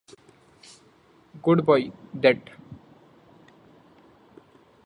Good boy, that.